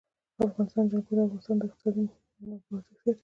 د افغانستان جلکو د افغانستان د اقتصادي منابعو ارزښت زیاتوي.